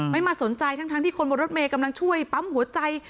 ไม่มาสนใจทั้งที่คนบนรถเมย์กำลังช่วยปั๊มหัวใจ